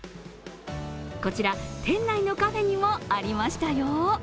こちら、店内のカフェにもありましたよ。